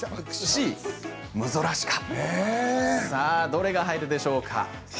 どれが入るでしょうか。